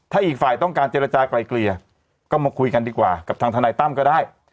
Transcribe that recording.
ถ้าอีกฝ่ายต้องการเจรจากลายเกลี่ยก็มาคุยกันดีกว่ากับทางทนายตั้มก็ได้